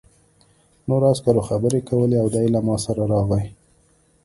نورو عسکرو خبرې کولې او دی له ما سره راغی